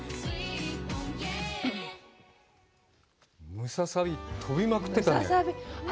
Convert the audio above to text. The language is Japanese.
ムササビ、飛びまくってたね。